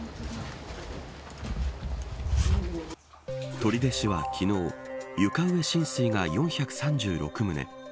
取手市は昨日床上浸水が４３６棟